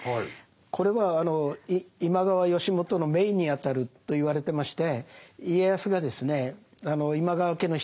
これは今川義元の姪にあたるといわれてまして。